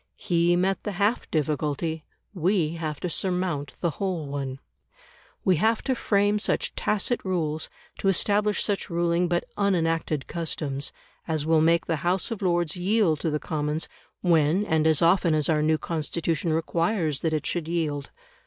He met the half difficulty; we have to surmount the whole one. We have to frame such tacit rules, to establish such ruling but unenacted customs, as will make the House of Lords yield to the Commons when and as often as our new Constitution requires that it should yield.